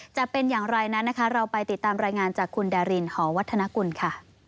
จะเป็นอย่างไรนั้นนะคะเราไปติดตามรายงานจากคุณดารินหอวัฒนกุลค่ะ